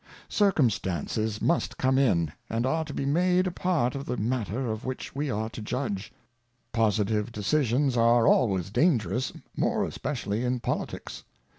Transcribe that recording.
Circumstances must come in, and are to be made a part of the Matter of which we are to judge ; positxy£jDecisions are always dangerous, more especially in Politick^.